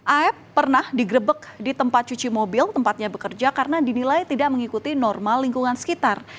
aep pernah digrebek di tempat cuci mobil tempatnya bekerja karena dinilai tidak mengikuti norma lingkungan sekitar